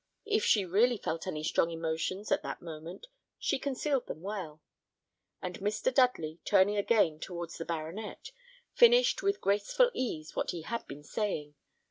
If she really felt any strong emotions at that moment, she concealed them well; and Mr. Dudley, turning again towards the baronet, finished with graceful ease what he had been saying.